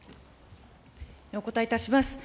お答えいたします。